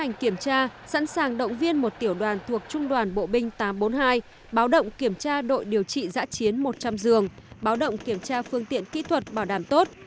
hành kiểm tra sẵn sàng động viên một tiểu đoàn thuộc trung đoàn bộ binh tám trăm bốn mươi hai báo động kiểm tra đội điều trị giã chiến một trăm linh giường báo động kiểm tra phương tiện kỹ thuật bảo đảm tốt